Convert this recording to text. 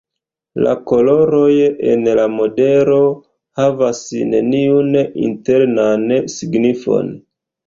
La koloroj en la modelo havas neniun internan signifon.